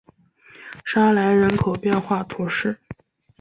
沙莱人口变化图示